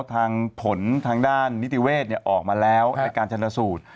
ทางผลทางด้านนิติเวศน์ออกมาแล้วในการชัดละสูตร